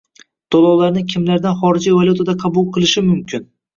to’lovlarni kimlardan xorijiy valyutada qabul qilishi mumkin?